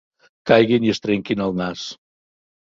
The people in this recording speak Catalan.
Caiguin i es trenquin el nas.